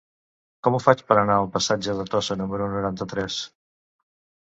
Com ho faig per anar al passatge de Tossa número noranta-tres?